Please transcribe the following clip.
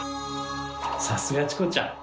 さすがチコちゃん！